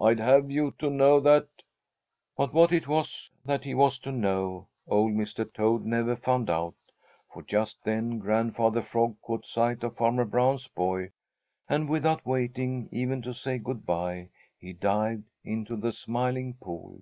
"I'd have you to know that " But what it was that he was to know old Mr. Toad never found out, for just then Grandfather Frog caught sight of Farmer Brown's boy and without waiting even to say good by he dived into the Smiling Pool.